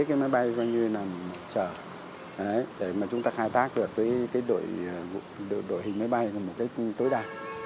cái máy bay gian như là một chợ để mà chúng ta khai tác được với cái đội hình máy bay là một cái tối đa